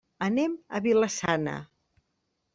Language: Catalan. Anem a Vila-sana.